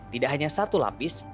tidak hanya satu lapis